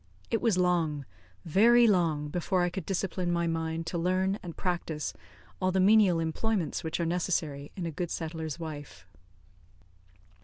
It was long, very long, before I could discipline my mind to learn and practice all the menial employments which are necessary in a good settler's wife.